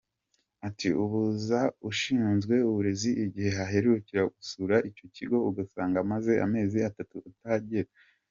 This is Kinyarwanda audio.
Ati” ubaza ushinzwe uburezi igihe aherukira gusura icyo kigo ugasanga amaze amezi atatu atahagera.